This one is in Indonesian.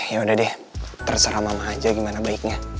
ya udah deh terserah mama aja gimana baiknya